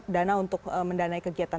dana untuk mendanai kegiatan